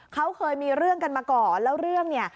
เขาเคยมีเรื่องกันมาก่อนแล้วเรื่องเนี่ย